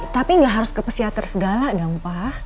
tapi gak harus ke psikiater segala dong pa